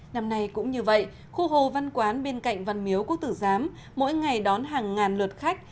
năm nay cũng như vậy khu hồ văn quán bên cạnh văn miếu quốc tử giám mỗi ngày đón hàng ngàn lượt khách